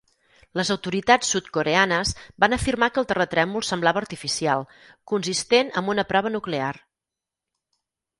Les autoritats sud-coreanes van afirmar que el terratrèmol semblava artificial, consistent amb una prova nuclear.